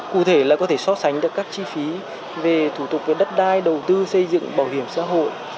cụ thể là có thể so sánh được các chi phí về thủ tục về đất đai đầu tư xây dựng bảo hiểm xã hội